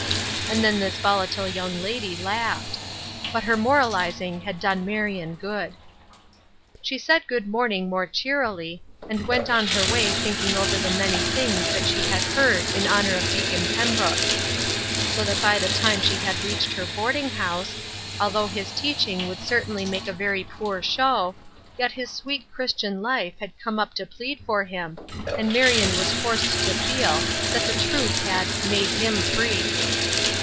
'" And then this volatile young lady laughed. But her moralizing had done Marion good. She said good morning more cheerily, and went on her way thinking over the many things that she had heard in honor of Deacon Pembrook; so that by the time she had reached her boarding house, although his teaching would certainly make a very poor show, yet his sweet Christian life had come up to plead for him, and Marion was forced to feel that the truth had "made him free."